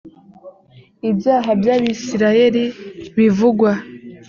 ibyaha by abisirayeli bivugwa